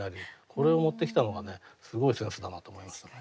これを持ってきたのがねすごいセンスだなと思いましたね。